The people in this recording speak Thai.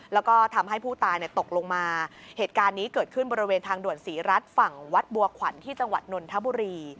แล้วก็ทำให้ผู้ตายตกลงมาเหตุการณ์นี้เกิดขึ้นบริเวณทางด่วนศรีรัฐฝั่งวัดบัวขวัญที่จังหวัดนนทบุรี